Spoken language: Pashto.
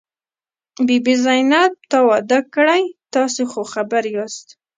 بي بي زينت، تا واده کړی؟ تاسې خو خبر یاست.